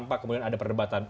pak kemudian ada perdebatan